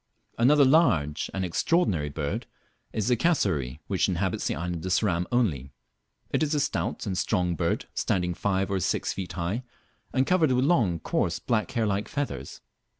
Another large and extraordinary bird is the Cassowary, which inhabits the island of Ceram only. It is a stout and strong bird, standing five or six feet high, and covered with long coarse black hair like feathers.